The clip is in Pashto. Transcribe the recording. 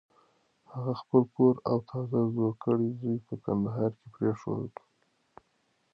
هغه خپل کور او تازه زوکړی زوی په کندهار کې پرېښودل.